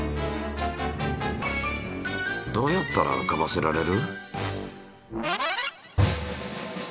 どうやったら浮かばせられる？